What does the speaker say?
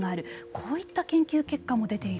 こういった研究結果も出ている。